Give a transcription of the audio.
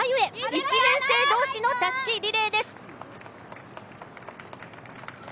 １年生同士のたすきリレーです。